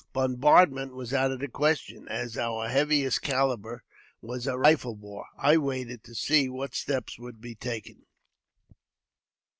Bombardment was out of the question, as our heaviest calibre was a rifle bore. I waited to see what steps would be taken.